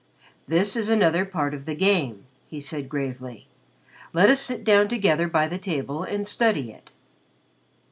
"This is another part of the game," he said gravely. "Let us sit down together by the table and study it."